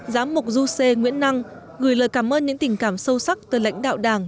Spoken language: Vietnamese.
giám mục du sê nguyễn năng gửi lời cảm ơn những tình cảm sâu sắc tới lãnh đạo đảng